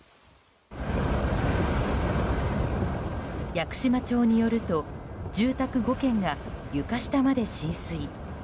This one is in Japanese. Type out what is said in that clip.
屋久島町によると住宅５軒が床下まで浸水。